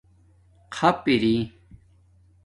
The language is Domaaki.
خَپ اِر